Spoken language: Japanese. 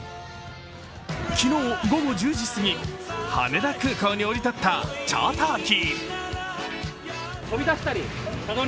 昨日午後１０時過ぎ、羽田空港に降り立ったチャーター機。